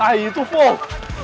nah itu fall